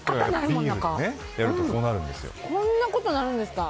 こんなことなるんですか。